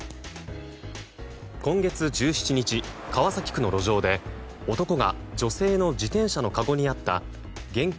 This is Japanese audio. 今月１７日川崎区の路上で男が女性の自転車のかごにあった現金